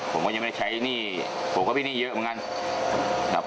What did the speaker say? ผมก็ยังไม่ใช้หนี้ผมก็เป็นหนี้เยอะเหมือนกัน